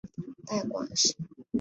带广市